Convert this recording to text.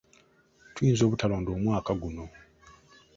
Tuyinza obutalonda omwaka guno.